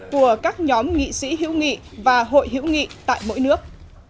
của các nhóm nghị sĩ hữu nghị và hội hữu nghị tại mỗi nước